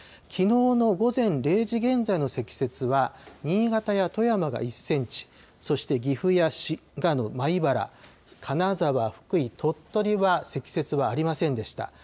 きのうの午前０時現在の積雪は、新潟や富山が１センチ、そして岐阜や滋賀の米原、金沢、福井、鳥取は積雪はありませんでした。